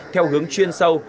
theo hướng chuyên sâu